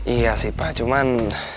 iya sih pak cuman